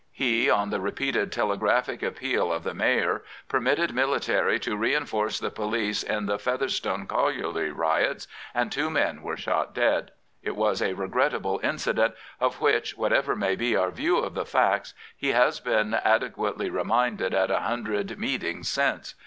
He, on the repeated telegraphic appeal of the Mayor, per mitted military to reinforce the police in the Feather stone colliery riots and two men were shot dead. It was a regrettable incident, of which, whatever may be our view of the facts, he has been adequately re minded at a hundred meetings since.